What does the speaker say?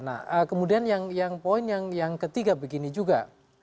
nah kemudian yang poin yang ketiga begini juga